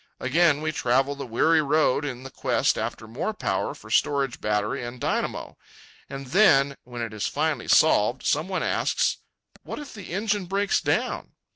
Again we travel the weary road in the quest after more power for storage battery and dynamo. And then, when it is finally solved, some one asks, "What if the engine breaks down?"